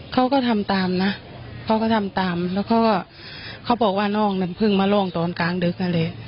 เขาก็ทำตามนะเขาก็ทำตามแล้วก็เขาบอกว่าน้องนั้นเพิ่งมาโล่งตอนกลางดึกนั่นแหละ